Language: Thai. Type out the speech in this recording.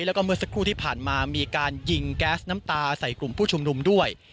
แล้วก็เมื่อสักครู่ที่ผ่านมามีการยิงแก๊สน้ำตาใส่กลุ่มผู้ชุมนุมด้วย